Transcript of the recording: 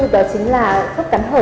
đó chính là khớp cắn hở